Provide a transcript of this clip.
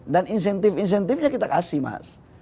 dan insentif insentifnya kita kasih mas